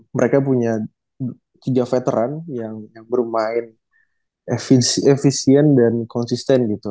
mereka punya tiga veteran yang bermain efisien dan konsisten gitu